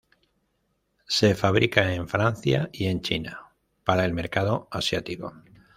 Se fabrica en Francia, y en China para el mercado asiático.